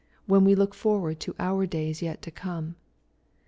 when we look forward to our days yet to come.